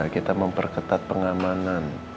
kita memperketat pengamanan